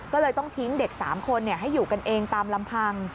ก็เลยต้องทิ้งเด็ก๓คนให้อยู่กันเองตามลำพัง